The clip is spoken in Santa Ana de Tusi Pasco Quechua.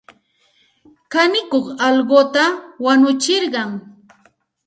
Kanikuq allquta wanutsirqan.